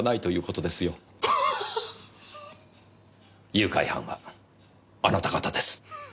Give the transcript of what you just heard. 誘拐犯はあなた方です。